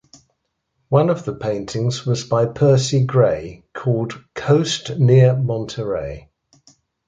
One of the paintings was by Percy Gray called "Coast Near Monterey".